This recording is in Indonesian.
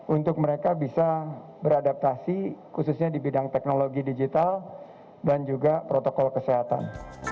untuk mereka bisa beradaptasi khususnya di bidang teknologi digital dan juga protokol kesehatan